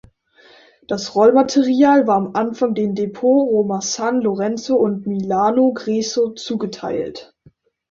Das Rollmaterial war am Anfang den Depot Roma San Lorenzo und Milano Greco zugeteilt.